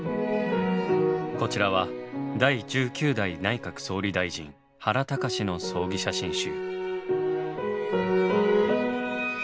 こちらは第１９代内閣総理大臣原敬の葬儀写真集。